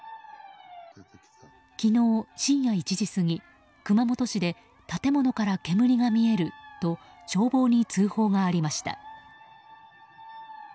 昨日深夜１時過ぎ熊本市で、建物から煙が見えると消防に通報がありました。